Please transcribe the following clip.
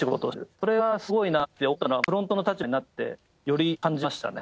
それはすごいなって思ったのはフロントの立場になってより感じましたね。